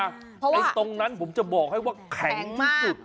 ตรงนั้นผมจะบอกให้ว่าแข็งที่สุด